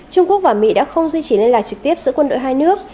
trung quốc và mỹ đã không duy trì liên lạc trực tiếp giữa quân đội hai nước